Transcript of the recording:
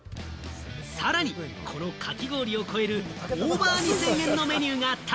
さらにこのかき氷を超えるオーバー２０００円のメニューがあった。